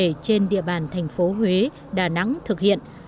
trường cao đẳng nghề trên địa bàn thành phố huế đà nẵng thực hiện